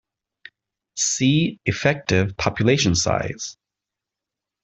See effective population size.